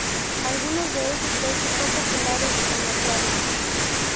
Algunos de esos peces son populares en acuarios.